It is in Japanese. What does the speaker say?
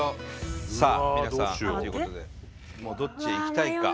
さあ皆さんということでもうどっちへ行きたいか。